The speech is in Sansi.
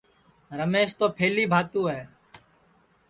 رمیش تو پَھلی بھاتو ہے